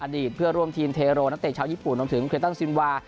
เพื่อร่วมทีมเทโรนักเตะชาวญี่ปุ่นรวมถึงเครตันซินวา